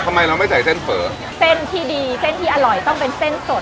ทำไมเราไม่ใส่เส้นเฝอเส้นที่ดีเส้นที่อร่อยต้องเป็นเส้นสด